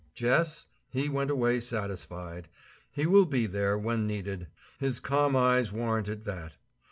Jess? He went away satisfied. He will be there, when needed. His calm eyes warranted that.